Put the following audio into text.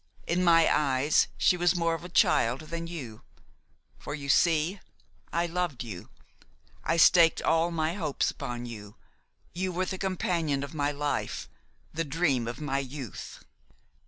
In my eyes she was more of a child than you; for, you see, I loved you. I staked all my hopes upon you; you were the companion of my life, the dream of my youth.